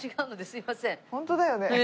ホントだよね。